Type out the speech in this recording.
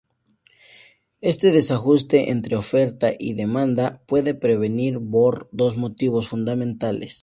Este desajuste entre oferta y demanda puede venir por dos motivos fundamentales.